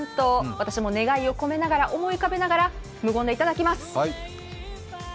私も願いを込めながら、思い浮かべながら無言でいただきます。